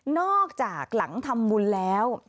นอกจากหลังทำมูลแล้ว